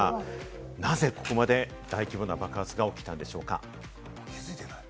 なぜここまで大規模な爆発が起きたのでしょうか？